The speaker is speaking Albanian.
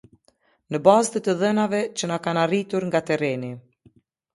Në bazë të të dhënave që na kanë arritur nga terreni.